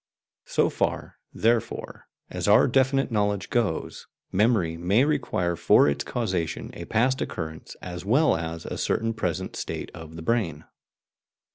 So far, therefore, as our definite knowledge goes, memory may require for its causation a past occurrence as well as a certain present state of the brain.